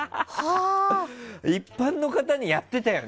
一般の方にやってたよね